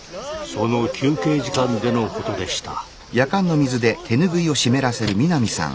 その休憩時間でのことでした。